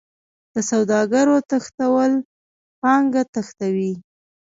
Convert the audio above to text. د سوداګرو تښتول پانګه تښتوي.